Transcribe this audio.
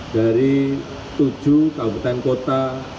dari tujuh kabupaten kota